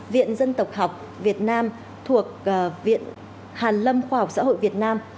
viện dân tộc học việt nam thuộc viện hàn lâm khoa học xã hội việt nam